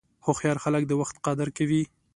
هوښیار خلک د وخت قدر کوي.